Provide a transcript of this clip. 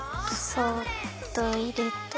そっといれて。